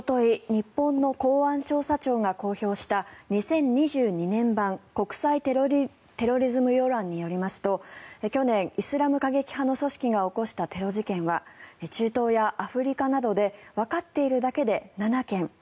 日本の公安調査庁が公表した「２０２２年版国際テロリズム要覧」によりますと去年、イスラム過激派の組織が起こしたテロ事件は中東やアフリカなどでわかっているだけで７件。